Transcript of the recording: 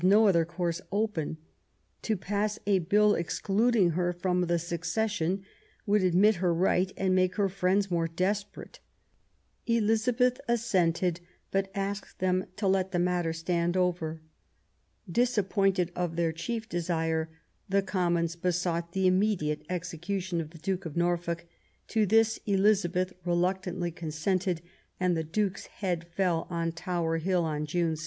no other course open ; to pass a bill excluding her from the succession would admit her right and make her friends more desperate. Elizabeth assented, but asked them to let the matter stand over. Disap pointed of their chief desire, the Commons besought the immediate execution of the Duke of Norfolk. To this Elizabeth reluctantly consented, and the Duke's head fell on Tower Hill on June 2.